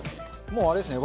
もうあれですね